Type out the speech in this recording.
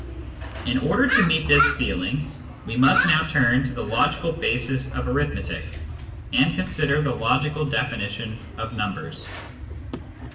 In order to meet this feeling, we must now turn to the logical basis of arithmetic, and consider the logical definition of numbers.